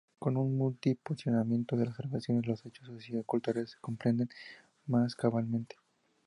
Con un multi-posicionamiento de las observaciones, los hechos socio-culturales se comprenden más cabalmente.